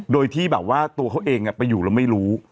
โดยที่แบบว่าตัวเขาเองไปอยู่แล้วไม่รู้